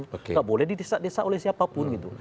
tidak boleh didesak desak oleh siapapun gitu